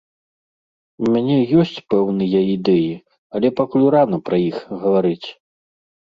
У мяне ёсць пэўныя ідэі, але пакуль рана пра іх гаварыць.